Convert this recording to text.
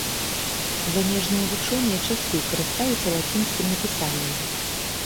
Замежныя вучоныя часцей карыстаюцца лацінскім напісаннем.